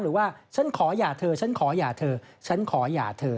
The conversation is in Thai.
หรือว่าฉันขอหย่าเธอฉันขอหย่าเธอฉันขอหย่าเธอ